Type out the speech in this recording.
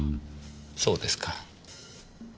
そうですか。